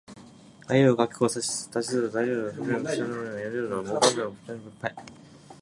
あいうえおかきくけこさしすせそたちつてとなにぬねのはひふへほまみむめもやゆよらりるれろわおんぱぴぷぺぽばびぶべぼ